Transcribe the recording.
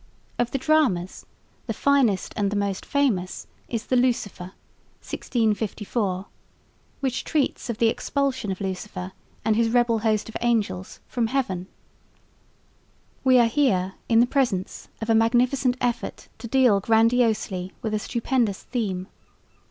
Of the dramas, the finest and the most famous is the Lucifer, 1654, which treats of the expulsion of Lucifer and his rebel host of angels from Heaven. We are here in the presence of a magnificent effort to deal grandiosely with a stupendous theme.